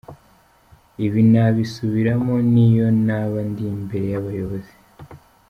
Ibi nabisubiramo n’iyo naba ndi imbere y’abayobozi.